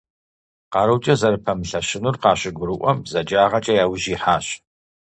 Къарукӏэ зэрыпэмылъэщынур къащыгурыӏуэм, бзаджагъэкӏэ яужь ихьахэщ.